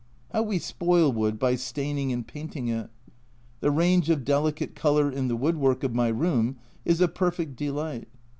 How we spoil wood by staining and painting it ! The range of delicate colour in the woodwork of my room is a perfect delight.